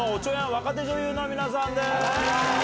若手女優の皆さんです。